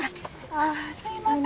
ああすいません。